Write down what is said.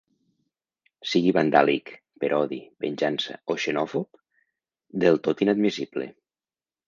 Sigui vandàlic, per odi, venjança o xenòfob, del tot inadmissible.